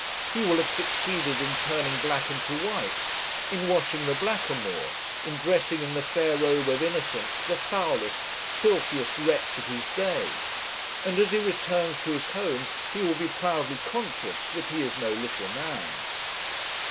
He will have succeeded in turning black into white, in washing the blackamoor, in dressing in the fair robe of innocence the foulest, filthiest wretch of his day; and as he returns to his home, he will be proudly conscious that he is no little man.